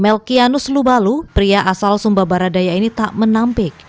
melkianus lubalu pria asal sumba baradaya ini tak menampik